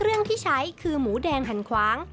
เรื่องที่ใช้คือหมูแดงหันขวาง